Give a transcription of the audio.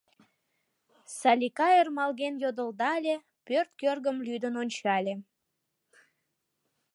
— Салика ӧрмалген йодылдале, пӧрт кӧргым лӱдын ончале.